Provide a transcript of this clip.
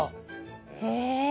へえ！